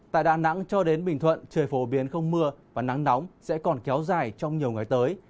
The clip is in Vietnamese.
tại đà nẵng cho đến bình thuận trời phổ biến không mưa và nắng nóng sẽ còn kéo dài trong nhiều ngày tới